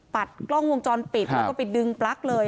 กล้องวงจรปิดแล้วก็ไปดึงปลั๊กเลย